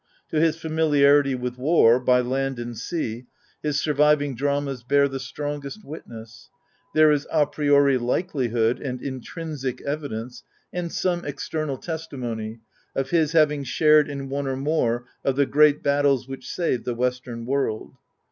To his familiarity with war, by land and sea, his surviving dramas bear the strongest witness. There is a priori likelihood, and intrinsic evidence, and some external testimony, of his having shared in one or more of the great battles which saved the western world.